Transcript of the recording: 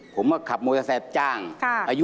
ผมก็ขับมถาปร์จ้างอายุ๔๐